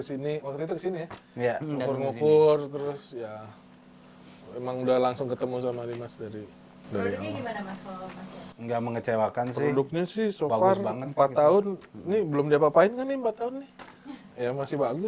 ini juga yang saya ingin kasih tau